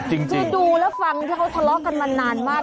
จริงคือดูแล้วฟังที่เขาทะเลาะกันมานานมาก